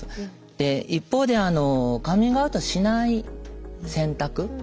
で一方でカミングアウトしない選択